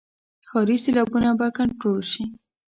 ښاري سیلابونه به کنټرول شي.